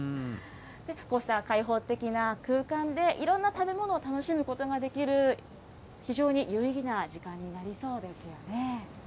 こうした開放的な空間で、いろんな食べ物を楽しむことができる非常に有意義な時間になりそうですよね。